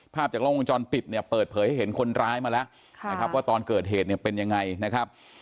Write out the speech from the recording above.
จากล้องวงจรปิดเนี่ยเปิดเผยให้เห็นคนร้ายมาแล้วนะครับว่าตอนเกิดเหตุเนี่ยเป็นยังไงนะครับ